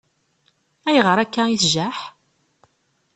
Ayɣer akka i tjaḥ?